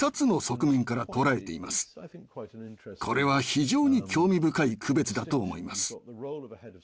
これは非常に興味深い区別だと思います。